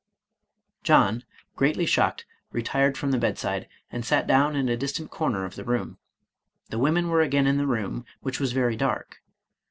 John, greatly shocked, retired from the bedside, and sat down in a distant corner of the room. The women were again in the room, which was very dark.